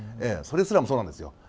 それすらもそうなんですよ。